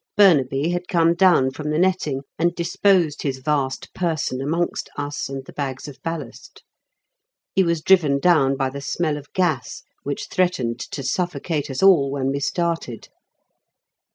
Burnaby had come down from the netting and disposed his vast person amongst us and the bags of ballast. He was driven down by the smell of gas, which threatened to suffocate us all when we started.